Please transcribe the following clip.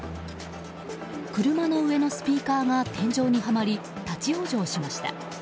車の上のスピーカーが天井にはまり立ち往生しました。